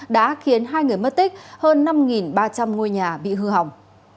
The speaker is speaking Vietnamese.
đã khiến hai người mất tích hơn năm ba trăm linh ngôi nhà bị hư hỏng